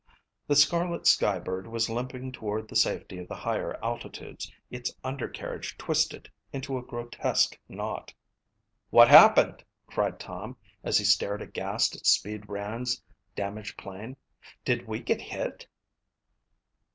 The scarlet sky bird was limping toward the safety of the higher altitudes, its under carriage twisted into a grotesque knot. "What happened?" cried Tom as he stared aghast at 'Speed' Rand's damaged plane. "Did we get hit?"